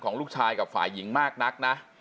ลูกชายกับฝ่ายหญิงมากนักนะ